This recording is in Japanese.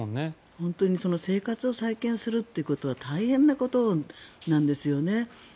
本当に生活を再建するということは大変なことなんですね。